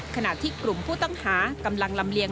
ขณะที่กลุ่มผู้ต้องหากำลังลำเลียง